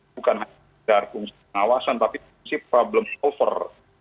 bukan hanya dari fungsi pengawasan tapi fungsi problem solver